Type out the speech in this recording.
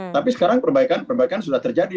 tapi sekarang perbaikan perbaikan sudah terjadi